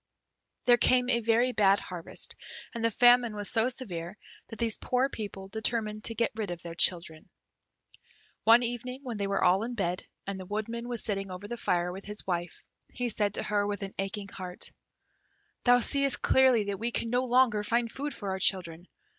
There came a very bad harvest, and the famine was so severe that these poor people determined to get rid of their children. One evening, when they were all in bed, and the Woodman was sitting over the fire with his wife, he said to her, with an aching heart, "Thou seest clearly that we can no longer find food for our children.